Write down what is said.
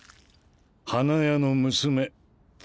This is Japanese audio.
花屋の娘。